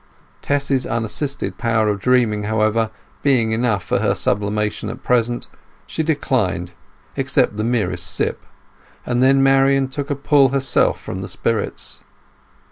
Tess's unassisted power of dreaming, however, being enough for her sublimation at present, she declined except the merest sip, and then Marian took a pull from the spirits.